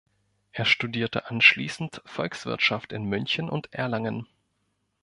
Er studierte anschließend Volkswirtschaft in München und Erlangen.